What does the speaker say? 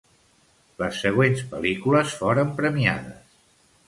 Les següents pel·lícules foren premiades.